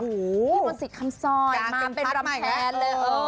พี่มนศิษย์คำซอยมาเป็นประแทน